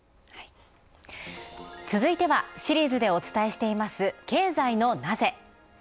続いてはシリーズでお伝えしています、「ケーザイのナゼ？」。